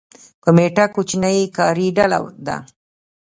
کمیټه کوچنۍ کاري ډله ده